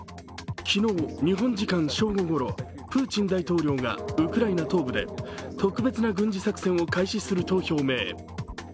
昨日、日本時間正午ごろ、プーチン大統領がウクライナ東部で特別な軍事作戦を開始すると表明。